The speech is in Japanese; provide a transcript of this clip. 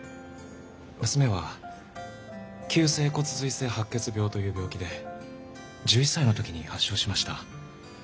娘は急性骨髄性白血病という病気で１１歳の時に発症しました。